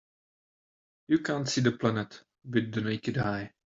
You can't see the planet with the naked eye.